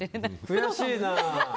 悔しいな。